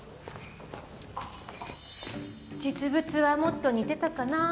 実物はもっと似てたかな。